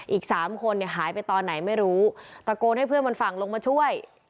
อีกสามคนเนี่ยหายไปตอนไหนไม่รู้ตะโกนให้เพื่อนบนฝั่งลงมาช่วย